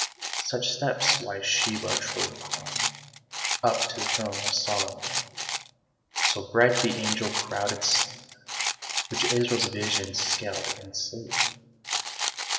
Such steps wise Sheba trod upon Up to the throne of Solomon; So bright the angel crowded steep Which Israel's vision scaled in sleep.